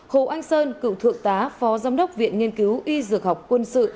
hồ anh sơn cựu thượng tá phó giám đốc viện nghiên cứu y dược học quân sự